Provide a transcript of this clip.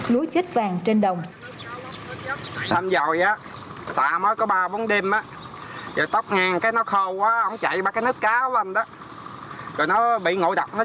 lúa chết vàng trên đồng